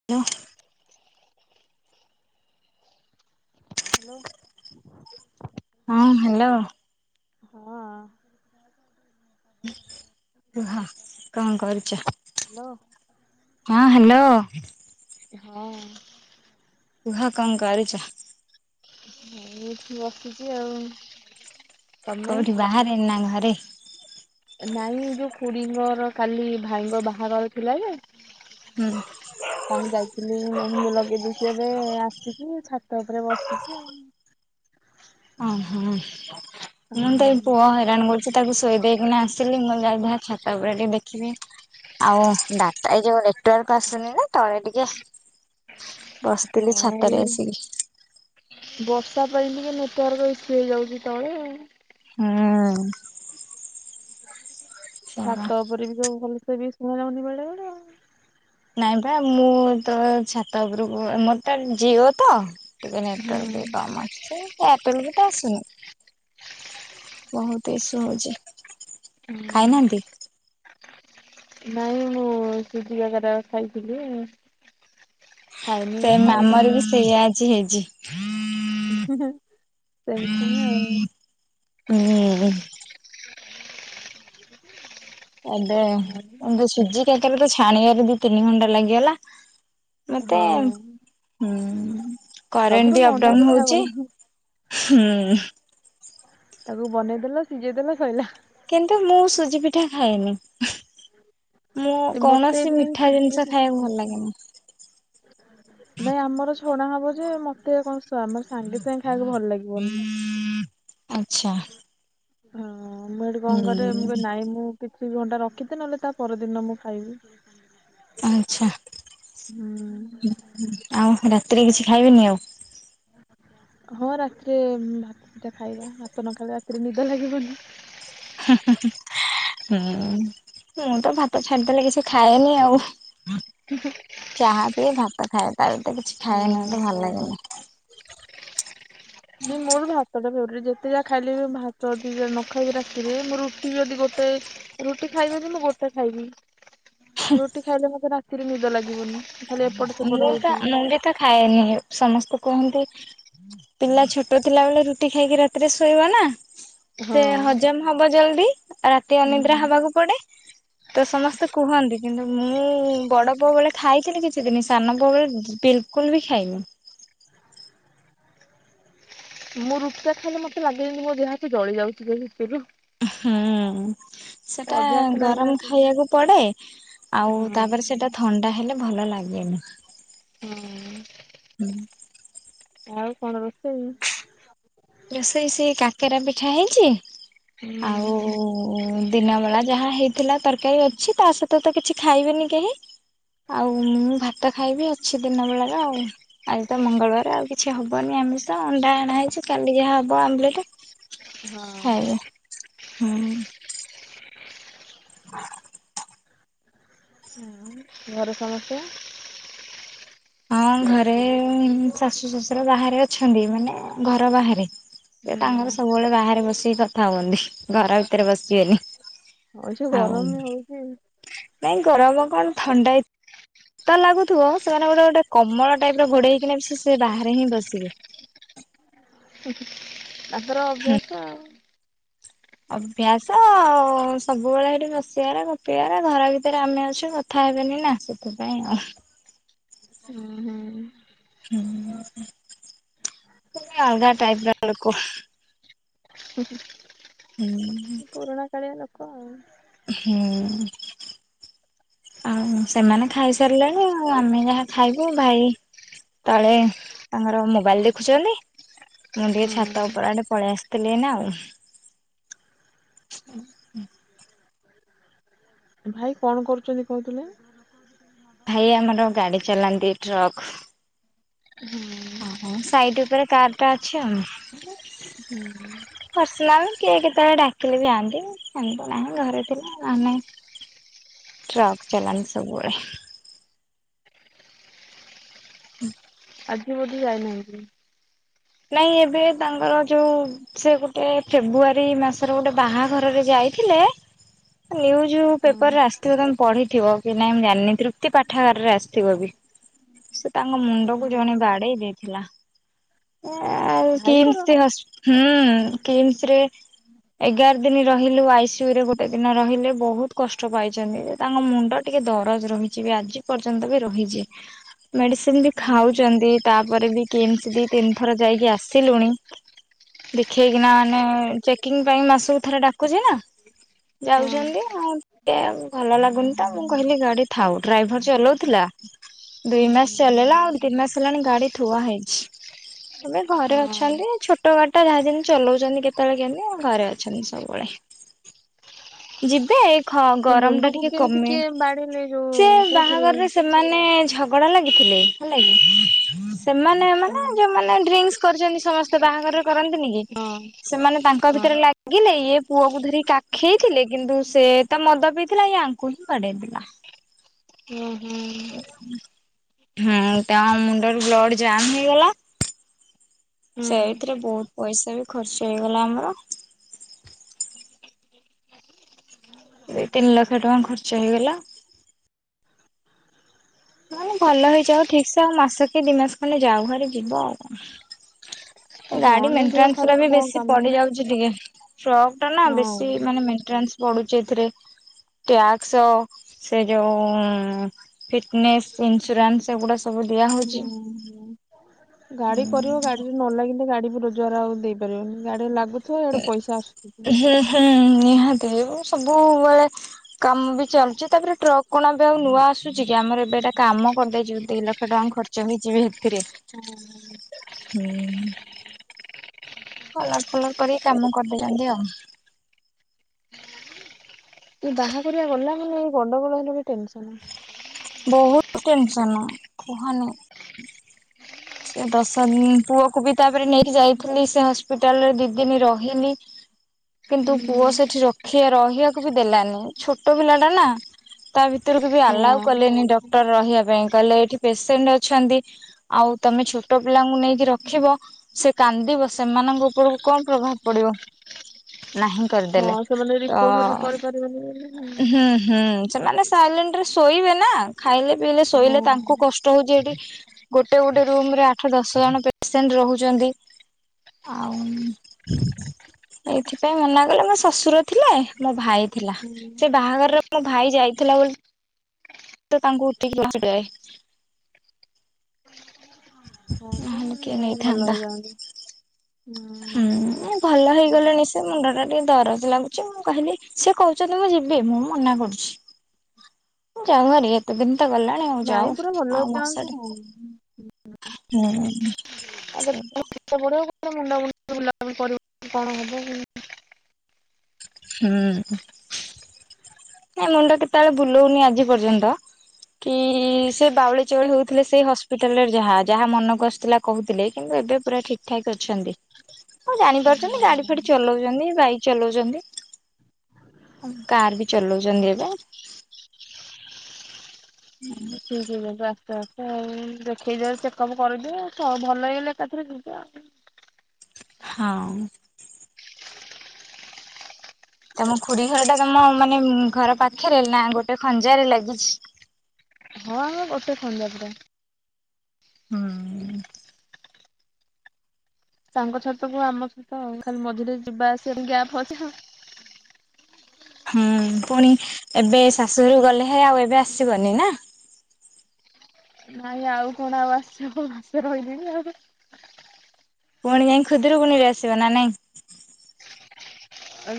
[unintelligible] Hello. ହଁ hello. ହଁ। କୁହ କଣ କରୁଚ? ହ୍ୟାଲୋ ହଁ ହାଲୋ। ହଁ। କୁହ କଣ କରୁଚ? କିଛିନାହିଁ ଏଠି ବସିଚି ଆଉ। ତମେ? କୋଉଠି ବାହାରେ ନା ଘରେ? ନାଇଁ ଯୋଉ ଖୁଡିଙ୍କର କାଲି ଭାଇଙ୍କ ବାହାଘର ଥିଲା ଯେ ହୁଁ। ତାଙ୍କୁ ଯାଇଥିଲି ମେହେନ୍ଦି ଲଗେଇ ଦେଇକି ଏବେ ଆସିକି ଛାତ ଉପରେ ବସିଚି ଆଉ। ଅ ହଁ। ମୁଁ ହଁ ତ ଏଇ ପୁଅ ହଇରାଣ କରୁଚି ତାକୁ ଶୋଇ ଦେଇକିନା ଆସିଲି ମୁଁ ଯାଉଚି ଦେଖା ଛାତ ଉପରେ ଟିକେ ଦେଖିମି। ଆଉ ଡାଟା ଏଇ ଯୋଉ ନେଟୱାର୍କ ଆସୁନି ନା ତଳେ ଟିକେ। ବସିଥିଲି ଛାତରେ ଆଉ। ଆସିକି। ବର୍ଷା ପାଇଁ ଟିକେ ନେଟୱାର୍କ ଇସୁ ହେଇଯାଉଚି ତଳେ। ହଁ। ସେୟା ଛାତ ଉପରେ ବି କୋଉ ଭଲସେ ବି ଶୁଣାଯାଉନି ବେଳେ ବେଳେ। ଆଉ। ନାଇଁପା ମୁଁ ତ ଛାତ ଉପରୁକୁ ମୋର ତ ଜିଓ ତ ଟିକେ ନେଟୱାର୍କ ବି ହୁଁ କମ୍ ଆସୁଚି। ଏୟାରଟେଲ ବି ତ ଆସୁନି ବହୁତ ଇସୁ ହଉଚି। ହୁଁ। ନାଇଁ ମୁଁ ସୁଜିିକାକେରା ଖାଇଥିଲି। ଖାଇନି ସେ ଖାଇବା ଆମର ବି ସେଇଆ ଆଜି ହେଇଚି। ହୁଁ ହୁଁ ସେମ ସେମ ଆଉ। ହୁଁ। ଏବେ ଏ ଦ ସୁଜି କକରା ତ ଛାଣିବାରେ ଦି ତିନି ଘଣ୍ଟା ଲାଗିଗଲା। ମତେ ହଁ ସବୁଠୁ କରେଣ୍ଟ ବି ମଣ୍ଡା ଅପଡାଉନ୍ ପିଠା ଭଲ ହୋଉଚି। ହଁ ହୁଁ। ତାକୁ ବନେଇଦେଲ ସିଝେଇଦେଲ ସଇଲା। କିନ୍ତୁ ମୁଁ ସୁଜି ପିଠା ଖାଏନି। ମୁଁ ଏ ମତେ କୌଣସି ବି ମିଠା ସୁଜି ଜିନିଷ ପିଠା ଖାଇବାକୁ ହଁ ଭଲ ଲାଗେନି। ନାଇଁ ଆମର ଛଣା ହବ ଯେ ମତେ କଣ ସା ମାନେ ସାଙ୍ଗେ ସାଙ୍ଗେ ଖାଇବାକୁ ଭଲ ଲାଗିବନି। ଆଛା। ହଁ ମୁଁ ହେଟୁ କଣ କରେ ମୁ ହୁଁ କରିନି ନାଇଁ ମୁଁ କିଛି ଘଣ୍ଟା ରଖିଦେ ନ ହେଲେ ତା ପରଦିନ ମୁଁ ଖାଇବି। ଧନ୍ୟବାଦ୍ [unintelligible] ଆଛା, ଆଉ ରାତିରେ କିଛି ଖାଇବେନି ଆଉ ହଁ ରାତିରେ ଭାତ ଦିଟା ଖାଇବା ଭାତ ନ ଖାଇଲେ ରାତିରେ ନିଦ ଲାଗିବନି। ହୁଁ ହୁଁ ହୁଁ ହୁଁ ମୁଁ ତ ଭାତ ଛାଡ଼ି ଦେଲେ କିଛି ଖାଏନି ଆଉ। ହୁଁ ଚାହା ବି ଭାତ ଖାଏ ତା ବ୍ୟତୀତ କିଛି ଖାଏ ନି ହଁ ମୋତେ ଭଲ ଲାଗେନି। ନାଇଁ ମୋର ଭାତ ଟା ଫେବରେଟ୍ ଯେତେ ଯା ଖାଇଲେ ବି ମୁଁ ଭାତ ଯଦି ନ ଖାଇବି ରାତିରେ ମୁ ରୁଟି ଯଦି ଗୋଟେ ରୁଟି ଖାଇବି ଯଦି ମୁଁ ଗୋଟେ ଖାଇବି ରୁଟି ଖାଇଲେ ମତେ ରାତିରେ ନିଦ ଲାଗିବନି। ତାହେଲେ ଏପଟେ ଅନ୍ୟତା ନନ୍ଦିତା ଖାଏନି ସମସ୍ତେ କୁହନ୍ତି ପିଲା ଛୋଟ ଥିଲାବେଳେ ରୁ ରୁଟି ଖାଇକି ରାତିରେ ଶୋଇବା ନା ସେ ହଁ। ହଜମ୍ ହବ ଜଲ୍ଦି ଆ ରାତି ହୁଁ ଅନିଦ୍ରା ହବାକୁ ପଡ଼େ ତ ସମସ୍ତେ କୁହନ୍ତି କିନ୍ତୁ ମୁଁ ବଡ଼ ପୁଅ ବେଳେ ଖାଇଥିଲି କିଛି [unintelligible] ସାନ ପୁଅ ବେଳେ ବିଲ୍‌କୁଲ୍‌ ବି ଖାଇନି। ମୁଁ ରୁଟି ଟା ଖାଇଲେ ମତେ ଲାଗେ ଯେମିତି ମୋ ଦେହ ହାତ ଜଳି ଯାଉଚି [unintelligible] ଉଁ ହୁଁ। ସେଟା ଅଭ୍ୟାସ ନାହିଁ ନା। ଗରମ ଖାଇବାକୁ ପଡ଼େ ଆଉ ହଁ ତାପରେ ସେଟା ଥଣ୍ଡା ହେଲେ ଭଲ ଲାଗେନି। ହୁଁ, ଆଉ କଣ ରୋଷେଇ? ରୋଷେଇ ସେଇ କାକେରା ପିଠା ହେଇଚି ଆଉ ହୁଁ ଓମ୍ ଦିନ ବେଳା ଯାହା ହେଇଥିଲା ତର୍କାରୀ ଅଛି ତା ସହିତ ତ କିଛି ଖାଇବେନି କେହି। ଆଉ ମୁଁ ଭାତ ଖାଇବି ଅଛି ଦିନ ବେଳାର ଆଉ। ଆଜି ତ ମଙ୍ଗଳବାରେ ଆଉ କିଛି ହବନି ଆମିଷ ଅଣ୍ଡା ଅଣା ହେଇଚି କାଲି ଯାହା ହବ ଆମ୍ବେଲେଟ୍ ହଁ। ଖାଇବି ହୁଁ। ହଁ [unintelligible] ହୁଁ ଘରେ ସମସ୍ତେ? ହଁ ଘରେ ଶାଶୁ, ଶଶୁର ବାହାରେ ଅଛନ୍ତି ମାନେ ଘର ବାହାରେ। ସେ ତାଙ୍କର ସବୁବେଳେ ବାହାରେ ବସିକି କଥା ହୁଅନ୍ତି ଘର ଭିତରେ ବସିବେନି। ହଁ ଯୋଉ ଆଉ ଗରମ ବି ହଉଚି। ନାଇଁ ଗରମ କଣ ଥଣ୍ଡା ଏଇ ଶିତ ଲାଗୁଥିବ ସେମାନେ ଗୋଟେ ଗୋଟେ କମଳ ଟାଇପ୍‌ର ଘୋଡ଼େଇ ହେଇକିନା ସେ ସେ ବାହାରେ ହିଁ ବସିବେ। ଉଁ ହୁଁ ତାଙ୍କର ଅଭ୍ୟାସ ଆଉ। ଅଭ୍ୟାସ ଆଉ ସବୁବେଳେ ସେଠି ବସିବାର ଗପିବାର ଘର ଭିତରେ ଆମେ ଅଛୁ କ ଥା ହେବେନି ନା ସେଥିପାଇଁ ଆଉ। ହୁଁ ହୁଁ। ହୁଁ ଉଁ ସିଏ ଅଲ୍‌ଗା ଟାଇପ୍ ର ଲୋକ। ହୁଁ ହୁଁ। ହୁଁଁ ପୁରୁଣା କାଳିଆ ଲୋକ ଆଉ। ହୁଁ ଉଁ। ଆଉ ସେମାନେ ଖାଇସାରିଲେଣି, ଆଉ ଆମେ ଯାହା ଖାଇବୁ ଭାଇ ତଳେ ତାଙ୍କର ମୋବାଇଲ୍‌ ଦେଖୁଛନ୍ତି। ମୁଁ ଟିକେ ଛାତ ହୁଁ। ଉପରେ ଆଡେ ପଳେଇ ଆସିଥିଲି ଏଇନା ଆଉ। ହଁ ହୁଁ। ଭାଇ କଣ କରୁଛନ୍ତି କହୁଥିଲେ? ଭାଇ ଆମର ଗାଡ଼ି ଚଲାନ୍ତି ଟ୍ରକ୍। ହୁଁ। ହଁ ସାଇଟ୍ ଉପରେ କାର୍ ଟା ଅଛି ଆଉ। ହୁଁ [unintelligible] ପର୍ସନାଲ୍ କିଏ କେତେବେଳେ ଡାକିଲେ ଯାଆନ୍ତି। ସେମତୀ ନାହିଁ, ଘରେ ଥିଲା, ନହେଲେ ନାହିଁ। ଟ୍ରକ୍ ଚଲାନ୍ତି ସବୁବେଳେ। ହୁଁ। ଆଜି ବୋଧେ ଯାଇନାହାଁନ୍ତି? ନାଇଁ ଏବେ ତାଙ୍କର ଯୋଉ ସେ ଗୋଟେ ଫେବୃଆରୀ ମାସରେ ଗୋଟେ ବାହାଘରରେ ଯାଇଥିଲେ ନ୍ୟୁଜ ପେପରରେ ହଁ। ଆସିଥିବ, ତମେ ପଢିଥିବ କି ନାଇଁ ମୁଁ ଜାଣିନି। ତୃପ୍ତି ପାଠାଗାର ରେ ଆସିଥିବ ବି। ସେ ତାଙ୍କ ମୁଣ୍ଡକୁ ଓହୋ। ଜଣେ ବାଡେଇ ଦେଇଥିଲା। ଆଉ ଭାଇଙ୍କର? କିମସ ହସ ହୁଁ କିମସ ରେ ଏଗାର ଦିନ ରହିଲୁ ଆଇସିୟୁରେ ଗୋଟେ ଦିନ ରହିଲେ ବହୁତ କଷ୍ଟ ପାଇଛନ୍ତି, ଯେ ତାଙ୍କ ମୁଣ୍ଡ ଟିକେ ଦରଜ ରହିଛି ବି ଆଜି ପର୍ଯ୍ୟନ୍ତ ବି ରହିଛି। ମେଡିସିନ ବି ଖାଉଛନ୍ତି, ତାପରେ ବି କିମସ୍ ଦି ତିନ ଥରେ ଯାଇକି ଆସିଲୁଣି। ଦେଖେଇକିନା ମାନେ ଚେକିଂ ପାଇଁ ମାସକୁ ଥରେ ଡାକୁଛି ନା। ହଁ ଯାଉଛନ୍ତି ଆଉ। ଟିକେ ଆଉ ଭଲ ଲାଗୁନି ତ, ମୁଁ କହିଲି ଗାଡି ଥାଉ। ଡ୍ରାଇଭର ଚଲଉଥିଲା। ଦୁଇ ମାସ ଚଲେଇଲା, ଆଉ ତିନି ମାସ ହେଲାଣି ଗାଡି ଥୁଆ ହେଇଛି। ଏବେ ଘରେ ହଁ। ଅଛନ୍ତି, ଛୋଟ ଗାଡ଼ିଟା ଯାହା ଯେମି ଚଲଉଛନ୍ତି କେତେବେଳେ କେମିତି ଘରେ ଅଛନ୍ତି ସବୁବେଳେ। [unintelligible] ଯିବେ ଏଇ ଏ ଖ-ଗରମ ଟା ମୁଣ୍ଡକୁ ଟିକେ କେମିତି କମି, କିଏ ବାଡେଇଲେ ସେ ଯୋଉ କୋଉଥିରେ? ବାହାଘରରେ ସେ ମାନେ ଝଗଡା ଲାଗିଥିଲେ ହେଲା କି। ସେମାନେ ହଁ ମାନେ ଯୋଉମାନେ ଡ୍ରିଙ୍କ୍ସ୍ କରିଛନ୍ତି ସମସ୍ତେ ବାହାଘରେ କରନ୍ତିନି କି। ହଁ ସେମାନେ ତାଙ୍କ ହଁ ଭିତରେ ଲାଗ ଲାଗିଲେ ଇଏ ପୁଅ କ ଧରି କାଖେଇ ଥିଲେ, କିନ୍ତୁ ସେ ତ ମଦ ପିଇଥିଲା ଇଆଙ୍କୁ ହିଁ ବାଡେଇଦେଲା। ହଁ। ହୁଁ ତାଙ୍କ ମୁଣ୍ଡରୁ ବ୍ଲଡ୍ ଜାମ ହେଇଗଲା ହୁଁ। ସେଇଥିରେ ବହୁତ ପଇସା ବି ଖର୍ଚ୍ଚ ହେଇଗଲା ଆମର। ଦି ତିନି ଲକ୍ଷ ଟଙ୍କା ଖର୍ଚ୍ଚ ହେଇଗଲା। ନାଇଁ ଭଲ ହେଇ ଜାଉ ଠିକ୍ ସେ ଆଉ ମାସ କି ଦି ମାସ ଖଣ୍ଡେ ଯାଉ ହରି ଯିବ ଆଉ କଣ। ହଁ ଗାଡି ନା ଦେହ ମେଣ୍ଟେନାନ୍ସ ର ଖରାପ କଣ ବେଶୀ କାମ ପଡି ଯାଉଛି ଯି ଟିକେ। ଟ୍ରକ ଟା ନା ବେଶୀ ହଁ। ମାନେ ମେଣ୍ଟନାନ୍ସ୍ ପଡ଼ୁଚି ଏଥିରେ। ଟ୍ୟାକ୍ସ, ସେ ଯୋଉ ଫିଟନେସ୍, ଇନ୍ସୁରାନ୍ସ ଏଗୁଡାସବୁ ହୁଁ ହୁଁ। ଗାଡି ହୁଁ କରିବ ଗାଡି ନ ଲାଗିଲେ ଗାଡି ବି ରୋଜଗାର ଆଉ ଦେଇପାରିବନି। ଗାଡିରେ ଲାଗୁଥିବ ଏଆଡେ ପଇସା ଆସୁ ହଁ। ନିହାତି ରହିବ ସବୁବେଳେ କାମ ବି ଚାଲୁଚି, ତାପରେ ଟ୍ରକ୍ କଣ ଏବେ ଆଉ ନୂଆ ଆସୁଛି କି, ଆମର ଏବେ ଏଟା କାମ କରିଦେଇଛୁ ଦି ଲକ୍ଷ ଟଙ୍କା ଖର୍ଚ୍ଚ ହେଇଯିବି ହେଥିରେ। ହୁଁ। କଲର ଫଲର କରି କାମ କରିଦେଇଛନ୍ତି ଆଉ। ଏ ବାହାଘରିଆ ଗଲା ମାନେ ଏଇ ଗଣ୍ଡଗୋଳ ହେଲେବି ଟେନସନ। ବହୁତ ଟେନସନ, କୁହନି। [inaudible] ସେ ଦଶ ଦିନି ପୁଅକୁ ବି ତାପରେ ନେଇକି ଯାଇଥିଲି ସେ ହସ୍ପିଟାଲରେ ଦି ଦିନି ରହିଲି। [inaudible] କିନ୍ତୁ ପୁଅ ହୁଁ। ସେଠି ରଖିବା ରହିବାକୁ ବି ଦେଲାନି। ଛୋଟ ପିଲାଟା ନା। ତା ଭିତରୁକୁ ବି ହଁ ଆଲାଉ କଲେନି ଡକ୍ଟର ରହିବା ପାଇଁ। କହିଲେ ଏଠି ପେସେଣ୍ଟ ଅଛନ୍ତି। ଆଉ ତମେ ଛୋଟ ପିଲାଙ୍କୁ ନେଇକି ରଖିବ। ସେ କାନ୍ଦିବ ସେମାନଙ୍କ ଉପରକୁ କଣ ପ୍ରଭାବ ପଡିବ, ନାହିଁ। ହଁ କରିଦେଲେ, ସେମାନେ ତ ରିକଭରି [unintelligible] ହୁଁ ହୁଁ। ସେମାନେ ସାଇଲେଣ୍ଟରେ ଶୋଇବେ ନା। ଖାଇଲେ, ପିଇଲେ, ଶୋଇଲେ ତାଙ୍କୁ କଷ୍ଟ ଷ୍ଟ ହଉଛି ଏଠି। ଗୋଟେ ଗୋଟେ ରୁମରେ ଆଠ, ଦଶ ଜଣ ପେସେଣ୍ଟ ରହୁଛନ୍ତି। ଆଉଁ ଏଇଥିପାଇଁ ମନା କଲେ, ମୋ ଶ୍ୱଶୁର ଥିଲେ। ମୋ ଭାଇ ଥିଲା। ହୁଁ। ସେ ବାହାଘରରେ ମୋ ଭାଇ ଯାଇଥିଲା ବୋଲି ତ ତାଙ୍କୁ ଉଠିକି [unintelligible] ହଁ ବା ହୁଁ, କିଏ ଭଲ ନେଇଥାଆନ୍ତା? ହେଇଯାଆନ୍ତୁ। ହୁଁ ଉଁ ଭଲ ହେଇଗଲେଣି ସେ। ମୁଣ୍ଡ ଟା ଟିକେ ଦରଜ ଲାଗୁଚି। ମୁଁ କହିଲି, ସେ କହୁଛନ୍ତି ମୁଁ ଯିବି, ମୁଁ ମନା କରୁଛି। [inaudible] ଯାଉହାରି, ଏତେ ଦିନ ତ ଗଲା। ନାଇଁ ପୁରା ଭଲ ହେଇଯାଆନ୍ତୁ। [unintelligible] ହୁଁ, ସେ ବ ହାତ, ଗୋଡୋ, ମୁଣ୍ଡ ମୁଣ୍ଡି ବୁଲାବୁଲି କରିବ କି କଣ ହବ? ହୁଁ। [unintelligible] ତେବେଳେ ବୁଲେଇନି ଆଜି ପର୍ଯ୍ୟନ୍ତ। କି ସେ ବାଉଳି ଚାଉଳି ହଉଥିଲେ ସେଇ ହସ୍ପିଟାଲ ରେ ଯାହା। ଯାହା ମନକୁ ଆସିଥିଲା କହୁଥିଲେ କିନ୍ତୁ ଏବେ ପୁରା ଠିକ୍। ଠାକ୍ ଅଛନ୍ତି। ହଁ ଜାଣିପାରୁଛନ୍ତି ଗାଡି ଫାଡି ଚଲଉଛନ୍ତି। ବାଇକ୍ ଚଲଉଛନ୍ତି। କାର୍ ବି ଚଲଉଛନ୍ତି ଏବେ। ହୁଁ। ଠିକ୍ ହେଇ ଯାନ୍ତୁ ଆସ୍ତେ ଆସ୍ତେ ଆଉ। ଦେଖେଇ ଦେଇ ଚେକଅପ୍ କରିଦିଅ। ସେ ଭଲ ହେଇଗଲେ ଏକାଥରେ ଯିବେ ଆଉ। ହଁ। ତମ ଖୁୁଡି ଘରଟା ତମ ମାନେ ଘର ପାଖରେ ନା ଗୋଟେ ଖଞ୍ଜାରେ ଲାଗିଛି? ହଁ ହଁ, ଗୋଟେ ଖଞ୍ଜା ପୁରା। ହୁଁ। ତାଙ୍କ ଛାତ କୁ ଆମ ଛାତ ଆଉ। ଖାଲି ମଝିରେ ଯିବା ଆସିବା ପାଇଁ ଗ୍ୟାପ୍ ଅଛି। ହୁଁ ପୁଣି ଏବେ ଶାଶୁଘରୁକୁ ଗଲେ ହେ ଆଉ ଏବେ ଆସିବନି ନା? ନାଇଁ ଆଉ କଣ ଆଉ ଆସିହବ? ମାସେ ରହିଲିଣି ଆଉ। ପୁଣି ଯାଇଁ ଖୁଦୁରୁକୁୁଣିରେ ବି ଆସିବ ନା ନାଇଁ?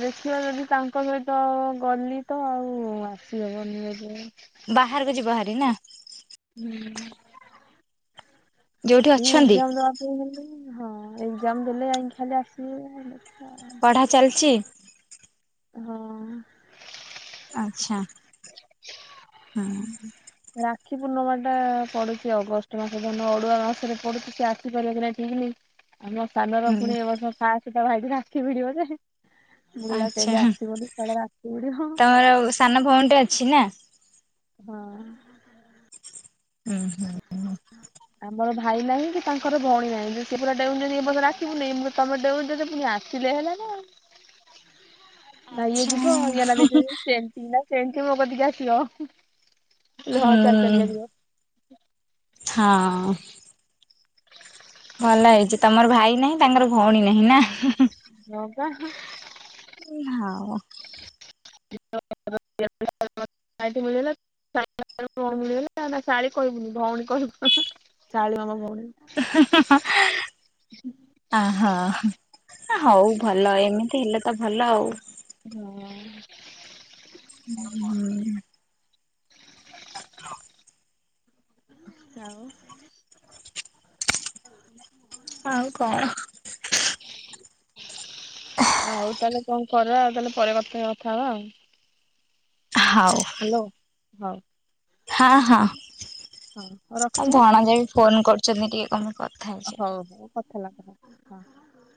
ଦେଖିଆ ଯଦି ତାଙ୍କ ସହିତ ଗଲି ତ ଆଉ ଆସିହବନି ବୋଧେ। ବାହାରକୁ ଯିବହାରି ନା? ହୁଁ। [unintelligible] ଯୋଉଠି ଅଛନ୍ତି ହଁ ଏକଜାମ୍ ଦେଲେ ଯାଇଁକି ଖାଲି ଆସିବି, ପଢା ଚାଲିଛି ନହେଲେ ହଁ। ଆଛା। ହଁ ରାକ୍ଷୀ ପୂର୍ଣ୍ଣିମା ଟା ପଡୁଛି ଅଗଷ୍ଟ ମାସ। ଗ ଅଡୁଆ ମାସରେ ପଡୁଛି ସେ ଆସି ପାରିବ କି ନାଇ ଠିକ ନାଇଁ। ଆମ ସାନର ହୁଁ ପୁଣି ଏ ବର୍ଷ ସାତ ତା ଭାଇକି ରାକ୍ଷୀ ଭିଡିବ ଯେ। ବୋଉ କହିଲା ଆଚ୍ଛା କେବେ ହଁ। ଆସିବ [unintelligible] ରାକ୍ଷୀ ଭିଡ଼ିବ। [unintelligible] ସାନ ଭଉଣିଟେ ଅଛି ନା? ହଁ। ଉଁ ହୁଁ। ଆମର ଭାଇ ନାହିଁ କି ତାଙ୍କର ଭଉଣୀ ନାହିଁ। ଯେ ସେ ପୁରା ଡେଉଁଛନ୍ତି ଏ ବର୍ଷ ରାକ୍ଷୀ ପୁନେଇ ମୁଁ କହିଲି ତମେ ଡେଉଛ ଯେ ପୁଣି ଆସ। ଆସିଲେ ହେଲାନା ନା ଇଏ ଆଚ୍ଛା ଯିବ ୟା ନାଁ ଦେଇଛନ୍ତି ହୁଁ ଦେବେ ସେଣ୍ଟ। ପିଲା ସେମୀତି ମୋ କତିକୀ ଆସିବ ହଁ ଚାଲି ଚାଲି କା ଯିବ। ହଁ। ଭଲ ହେଇଛି ତମର ଭାଇ ନାହିଁ ତାଙ୍କର ଭଉଣୀ ନାହିଁ ନା। ହଁ ପା। ଆଉ [unintelligible] ଭଉଣୀ ଶାଳୀ କହିବୁନି ଭଉଣୀ କହିବୁ ଶାଳୀ ଆମ ଭଉଣୀ [unintelligible] ଅ ହଁ ହଉ ଭଲ ଏମିତି ହେଲେ ତ ଭଲ ଆଉ ହୁଁ ହୁଁ ହ ଆଉ ଆଉ କଣ ହ ଆଉ ତାହେଲେ କଣ କର ତାହେଲେ ପରେ କଥା ହବା ଆଉ ହଉ ହ୍ୟାଲୋ ହଁ ହଁ ହଁ ହଁ ହଉ ମୁଁ ରଖୁଛି ଭଣ ଯାଇ ବି ଫୋନ କରୁଛନ୍ତି ଟିକେ କମେ ହଉ ହଉ କଥା [unintelligible]